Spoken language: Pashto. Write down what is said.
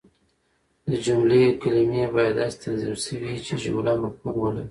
د جملې کلیمې باید داسي تنظیم سوي يي، چي جمله مفهوم ولري.